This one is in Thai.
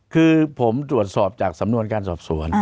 คือผมตรวจสอบจากสำนวนการสอบสวน